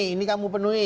ini kamu penuhi